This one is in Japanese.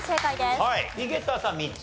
井桁さん３つ？